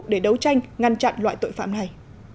để đấu tranh ngăn chặn loại tội phạm này